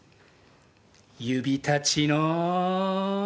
指たちの。